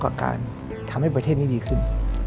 ประการทำให้ประเทศนี้ดีขึ้น